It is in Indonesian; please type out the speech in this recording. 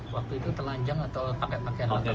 waktu itu telanjang atau pakai pakaian lantai